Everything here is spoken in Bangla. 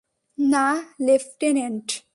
না, লেফটেন্যান্ট।